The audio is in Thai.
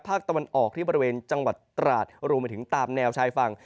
ภาคตะวันออกที่บริเวณจังหวัดตราดรวมไปถึงตามแนวชายฝั่ง